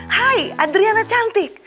hai adriana cantik